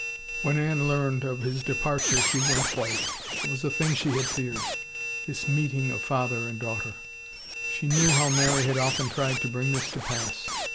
When Anne learned of his departure she went white. It was a thing she had feared — this meeting of father and daughter. She knew how Mary had often tried to bring this to pass.